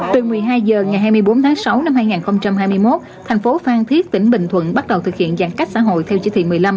từ một mươi hai h ngày hai mươi bốn tháng sáu năm hai nghìn hai mươi một thành phố phan thiết tỉnh bình thuận bắt đầu thực hiện giãn cách xã hội theo chỉ thị một mươi năm